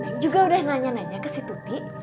saya juga udah nanya nanya ke si tuti